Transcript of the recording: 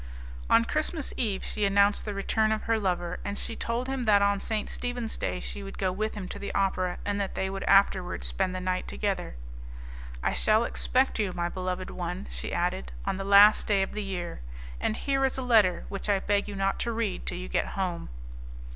On Christmas Eve she announced the return of her lover, and she told him that on St. Stephen's Day she would go with him to the opera, and that they would afterwards spend the night together. "I shall expect you, my beloved one," she added, "on the last day of the year, and here is a letter which I beg you not to read till you get home."